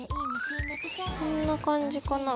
こんな感じかな。